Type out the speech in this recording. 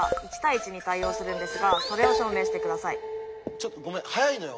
ちょっとごめん速いのよ。